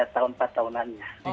tiga tahun dan empat tahunan